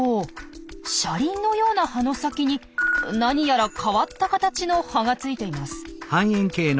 車輪のような葉の先になにやら変わった形の葉がついています。